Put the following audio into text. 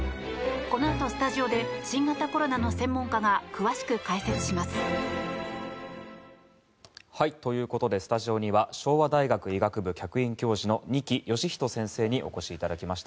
このあとスタジオで新型コロナの専門家が詳しく解説します。ということでスタジオには昭和大学医学部客員教授の二木芳人先生にお越しいただきました。